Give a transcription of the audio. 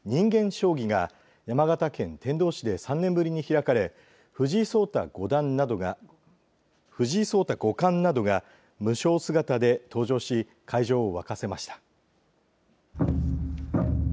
将棋が山形県天童市で３年ぶりに開かれ藤井聡太五冠などが武将姿で登場し会場を沸かせました。